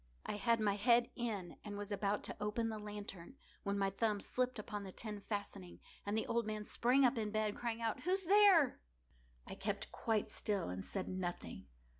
I had my head in, and was about to open the lantern, when my thumb slipped upon the tin fastening, and the old man sprang up in bed, crying out—"Who's there?" I kept quite still and said nothing.